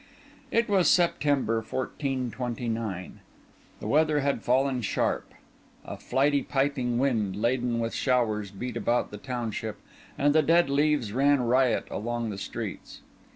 It was September 1429; the weather had fallen sharp; a flighty piping wind, laden with showers, beat about the township; and the dead leaves ran riot along the streets.